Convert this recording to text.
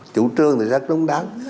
chủ trương thì rất đúng đắn